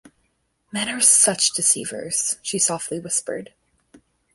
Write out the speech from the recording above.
‘Men are such deceivers,’ she softly whispered.